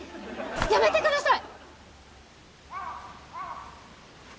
やめてください！